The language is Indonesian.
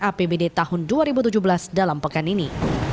apbd tahun dua ribu tujuh belas dalam pekan ini